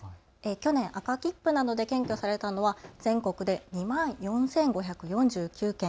去年、赤切符などで検挙されたのは全国で２万４５４９件。